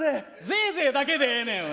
「ぜいぜい」だけでええねん。